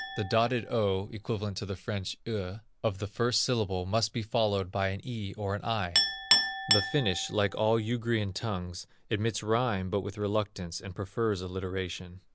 The dotted ö (equivalent to the French eu) of the first syllable must be followed by an e or an i. The Finnish, like all Ugrian tongues, admits rhyme, but with reluctance, and prefers alliteration.